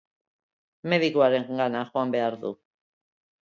Medikuarengana joan behar du.